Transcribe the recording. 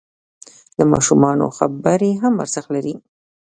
د ماشومانو خبرې هم ارزښت لري.